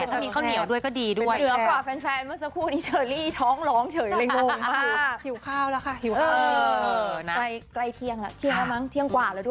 ใช่กินต้นหินด้วยบางครั้งอร่อยดี